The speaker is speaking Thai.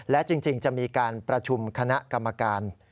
และจริงจะมีการประชุมคณะกรรมการ